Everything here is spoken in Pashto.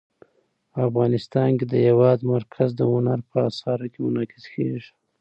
افغانستان کې د هېواد مرکز د هنر په اثار کې منعکس کېږي.